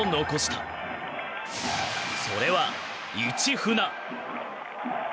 それは市船。